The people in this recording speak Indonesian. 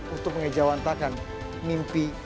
untuk mengejawantakan mimpi